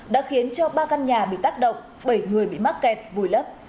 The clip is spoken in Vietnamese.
đã khiến cho ba căn nhà bị tác động bảy người bị mắc kẹt vùi lấp